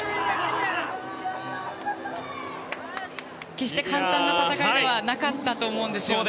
決して簡単な戦いではなかったと思います。